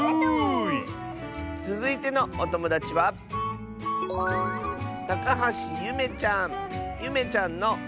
つづいてのおともだちはゆめちゃんの。